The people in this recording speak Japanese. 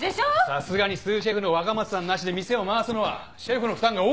さすがにスーシェフの若松さんなしで店を回すのはシェフの負担が大きいかと。